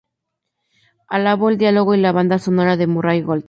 Alabó el diálogo y la banda sonora de Murray Gold.